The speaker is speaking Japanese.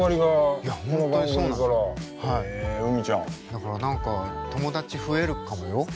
だから何か友達増えるかもよ。